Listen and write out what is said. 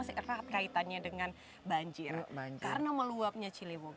ini di jakarta masih terkaitannya dengan banjir karena meluapnya cilewung